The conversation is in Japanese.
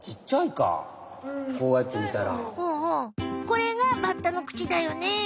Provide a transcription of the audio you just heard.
これがバッタのクチだよね。